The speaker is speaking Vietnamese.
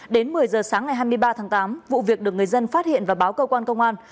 đến một mươi giờ sáng ngày hai mươi ba tháng tám vụ việc được người dân phát hiện và báo cơ quan công an